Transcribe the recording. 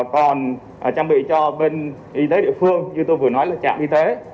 còn trang bị cho bên y tế địa phương như tôi vừa nói là trạm y tế